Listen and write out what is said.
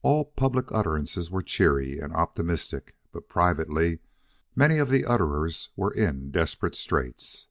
All public utterances were cheery and optimistic, but privately many of the utterers were in desperate straits.